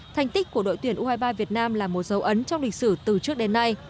thành tích của đội tuyển u hai mươi ba việt nam là một dấu ấn trong lịch sử từ trước đến nay